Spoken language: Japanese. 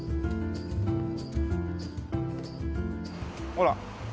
ほら。